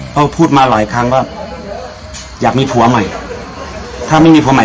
เขาพูดมาหลายครั้งว่าอยากมีผัวใหม่ถ้าไม่มีผัวใหม่